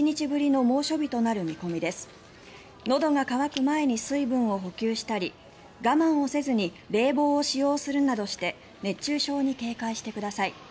のどが渇く前に水分を補給したり我慢をせずに冷房を使用するなどして熱中症に警戒してください。